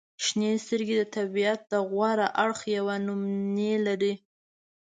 • شنې سترګې د طبیعت د غوره اړخ یوه نمونې لري.